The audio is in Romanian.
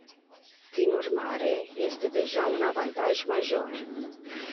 Prin urmare, este deja un avantaj major.